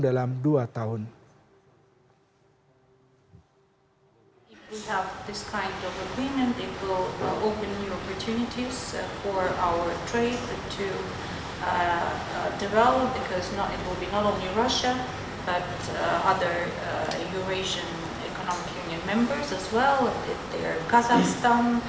dan mencapai kemampuan untuk mencapai kemampuan untuk mencapai kemampuan untuk mencapai kemampuan